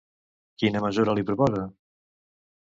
Quina mesura li proposa?